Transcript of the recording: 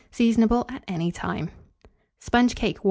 Seasonable at any time. SPONGE CAKE.